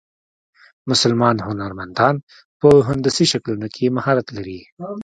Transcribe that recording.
مسلمان هنرمندان په هندسي شکلونو کې مهارت لري.